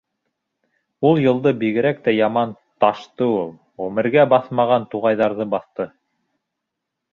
Ул йылды бигерәк тә яман ташты ул. Ғүмергә баҫмаған туғайҙарҙы баҫты.